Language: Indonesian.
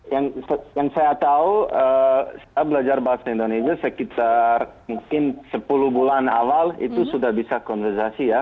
yang saya tahu saya belajar bahasa indonesia sekitar mungkin sepuluh bulan awal itu sudah bisa kontestasi ya